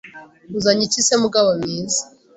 Uzanye iki se mugabo mwiza